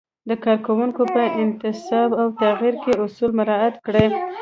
د کارکوونکو په انتصاب او تغیر کې اصول مراعت کړئ.